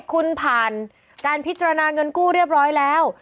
คุณผ่านการพิจารณาเงินกู้เรียบร้อยแล้ว